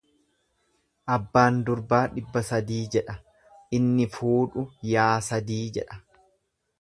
Abbaan durbaa dhibba sadii jedha inni fuudhu yaa sadii jedha.